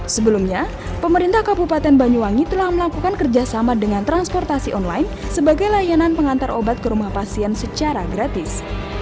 sebelumnya pemerintah kabupaten banyuwangi telah melakukan kerjasama dengan transportasi online sebagai layanan pengantar obat ke rumah pasien secara gratis